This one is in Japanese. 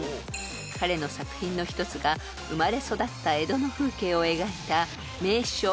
［彼の作品の一つが生まれ育った江戸の風景を描いた『名所江戸百景』］